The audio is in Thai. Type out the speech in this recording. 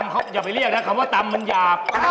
ส้มตำเธออย่าไปเรียกนะคำว่าตำมันหยาบ